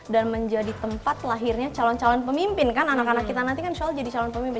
dan menjadi tempat lahirnya calon calon pemimpin kan anak anak kita nanti kan soalnya jadi calon pemimpin